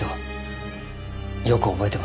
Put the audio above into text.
よく覚えてません。